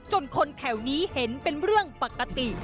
คนแถวนี้เห็นเป็นเรื่องปกติ